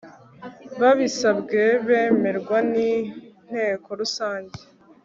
babisabwe bemerwa n'inteko rusange